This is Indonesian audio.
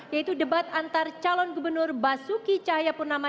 yaitu debat antar calon gubernur basuki cahayapurnama